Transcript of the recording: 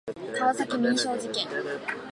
川崎民商事件